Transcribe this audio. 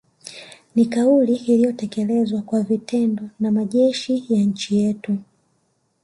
Ni kauli iliyotekelezwa kwa vitendo na majeshi ya nchi yetu